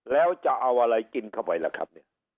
แล้วจะเอาอะไรกินเข้าไปล่ะครับเนี่ย